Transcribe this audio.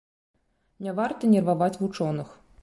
Не варта нерваваць вучоных.